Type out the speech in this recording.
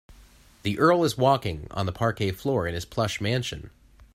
The earl is walking on the parquet floor in his plush mansion.